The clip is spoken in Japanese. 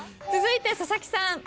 続いて佐々木さん。